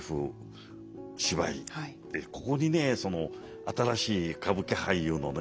ここにねその新しい歌舞伎俳優のね